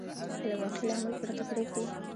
که له واقعي لامل پرته پرېږدي.